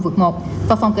và phòng cảnh sát hải quan